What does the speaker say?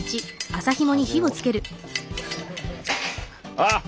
あっ！